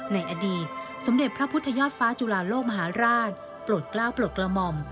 ในอดีตสมเด็จพระพุทธยอดฟ้าจุลาโลกมหาราชโปรดกล้าวโปรดกระหม่อม